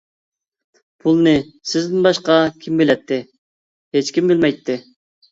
-پۇلنى سىزدىن باشقا كىم بىلەتتى؟ -ھېچكىم بىلمەيتتى.